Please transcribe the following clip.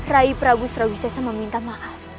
rai prabu srawisesa meminta maaf